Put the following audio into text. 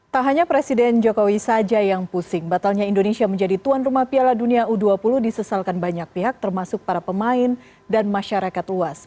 tak hanya presiden jokowi saja yang pusing batalnya indonesia menjadi tuan rumah piala dunia u dua puluh disesalkan banyak pihak termasuk para pemain dan masyarakat luas